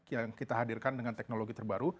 yang kita hadirkan dengan teknologi terbaru